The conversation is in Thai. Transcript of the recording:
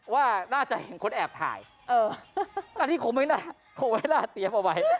ว่าน่าจะเห็นคนแอบถ่ายอันนี้คงไม่น่าคงไม่น่าเตรียมเอาไว้